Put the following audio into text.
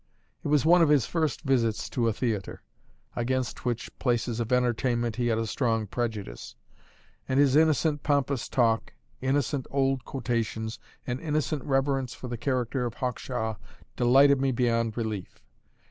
It was one of his first visits to a theatre, against which places of entertainment he had a strong prejudice; and his innocent, pompous talk, innocent old quotations, and innocent reverence for the character of Hawkshaw delighted me beyond relief.